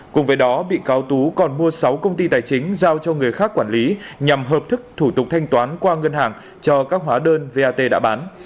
cùng với đó bị cáo tú còn mua sáu công ty tài chính giao cho người khác quản lý nhằm hợp thức thủ tục thanh toán qua ngân hàng cho các hóa đơn vat đã bán